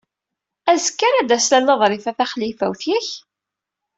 Azekka ara d-tas Lalla Ḍrifa Taxlifawt, yak?